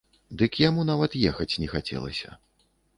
Дык яму нават ехаць не хацелася.